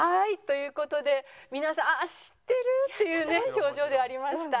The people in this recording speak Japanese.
という事で皆さん知ってる！っていうね表情ではありました。